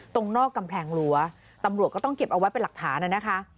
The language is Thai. ตรงนอกกำแพงรั้วตำรวจก็ต้องเก็บเอาไว้เป็นหลักฐานนะคะ